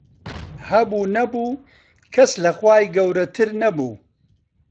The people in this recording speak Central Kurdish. هەبوو نەبوو کەس لە خوای گەورەتر نەبوو